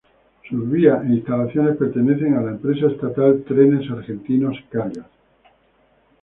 Sus vías e instalaciones pertenecen a la empresa estatal Trenes Argentinos Cargas.